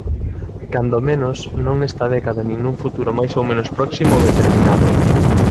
Cando menos, non nesta década nin nun futuro máis ou menos próximo ou determinado.